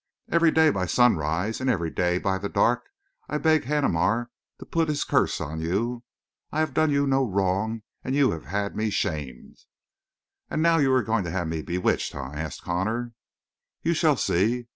Every day by sunrise and every day by the dark I beg Haneemar to put his curse on you. I have done you no wrong, and you have had me shamed." "And now you're going to have me bewitched, eh?" asked Connor. "You shall see."